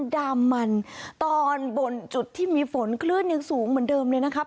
ดามมันตอนบนจุดที่มีฝนคลื่นยังสูงเหมือนเดิมเลยนะครับ